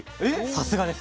さすがです。